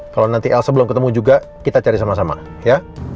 kalau nanti l sebelum ketemu juga kita cari sama sama ya